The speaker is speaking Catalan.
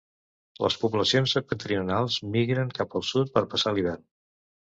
Les poblacions septentrionals migren cap al sud per passar l'hivern.